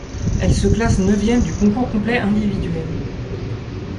Elle se classe neuvième du concours complet individuel.